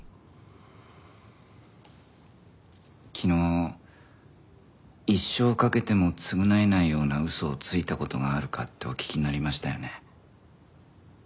昨日一生かけても償えないような嘘をついた事があるかってお聞きになりましたよね？